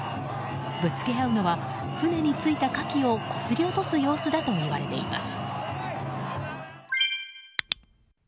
ぶつけ合うのは船についたカキをこすり落とす様子だといわれています。